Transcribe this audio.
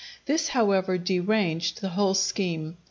This, however, deranged the whole scheme.